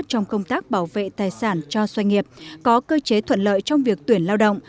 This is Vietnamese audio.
trong công tác bảo vệ tài sản cho doanh nghiệp có cơ chế thuận lợi trong việc tuyển lao động